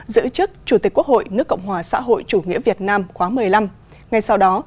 giữ chức chủ tịch quốc hội nước cộng hòa xã hội chủ nghĩa việt nam khóa một mươi năm ngay sau đó